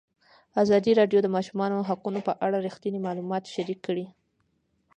ازادي راډیو د د ماشومانو حقونه په اړه رښتیني معلومات شریک کړي.